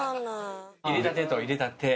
「淹れたて」と「入れた手」